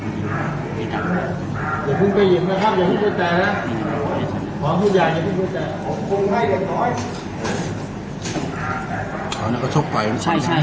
เสียงรักสมไตย